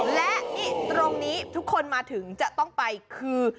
และนี่ตรงนี้ทุกคนมาถึงจะต้องไปคือ